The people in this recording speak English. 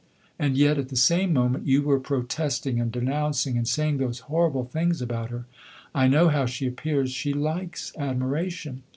And yet, at the same moment you were protesting, and denouncing, and saying those horrible things about her! I know how she appears she likes admiration.